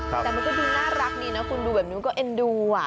แต่มันก็ดูน่ารักดีนะคุณดูแบบนี้มันก็เอ็นดูอ่ะ